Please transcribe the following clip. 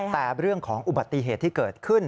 แต่เรื่องของอุบัติเหตุที่เกิดขึ้น